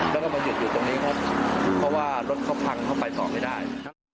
แล้วก็มาหยุดอยู่ตรงนี้ครับเพราะว่ารถเขาพังเข้าไปต่อไม่ได้